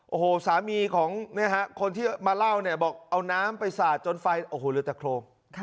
โอ้โหสามีของคนที่มาเล่าเนี่ยบอกเอาน้ำไปสาดจนไฟโอ้โหเหลือแต่โครง